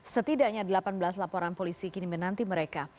setidaknya delapan belas laporan polisi kini menanti mereka